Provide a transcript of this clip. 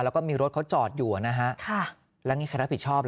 แล้วก็มีรถเขาจอดอยู่แล้วนี่ค้าท่าผิดชอบ